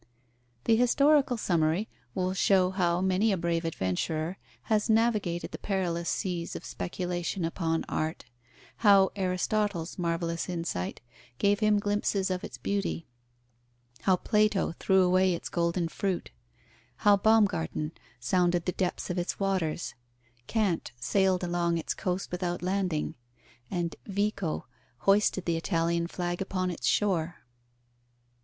The Historical Summary will show how many a brave adventurer has navigated the perilous seas of speculation upon Art, how Aristotle's marvellous insight gave him glimpses of its beauty, how Plato threw away its golden fruit, how Baumgarten sounded the depth of its waters, Kant sailed along its coast without landing, and Vico hoisted the Italian flag upon its shore.